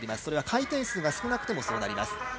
それは回転数が少なくてもそうなります。